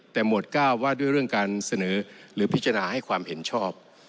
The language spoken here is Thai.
แต่หมวด๙ว่าด้วยเรื่องการเสนอหรือพิจารณาให้ความเห็นชอบ